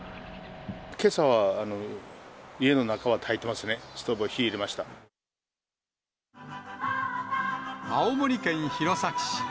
けさは家の中はたいてますね、青森県弘前市。